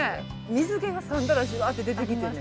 水けがかんだらジワッて出てきてね。